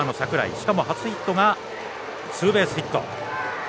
しかも初ヒットがツーベースヒット。